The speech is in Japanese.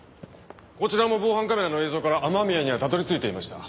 こちらも防犯カメラの映像から雨宮にはたどり着いていました。